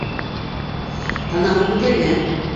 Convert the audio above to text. Танауын күтәргән.